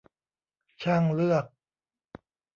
ช่างเลือก